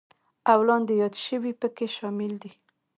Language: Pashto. او لاندې یاد شوي پکې شامل دي: